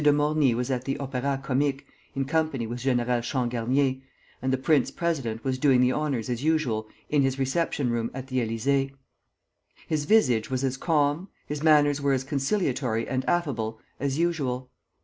de Morny was at the Opéra Comique in company with General Changarnier, and the prince president was doing the honors as usual in his reception room at the Élysée. His visage was as calm, his manners were as conciliatory and affable, as usual.